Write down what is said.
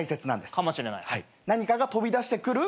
何かが飛び出してくる。